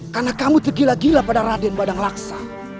karena kamu tergila gila pada raden badang laksa